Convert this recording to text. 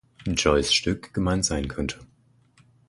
Joyce’ Stück gemeint sein könnte.